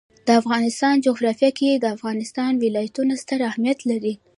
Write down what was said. د افغانستان جغرافیه کې د افغانستان ولايتونه ستر اهمیت لري.